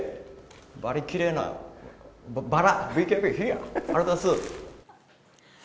バリきれいなバラ。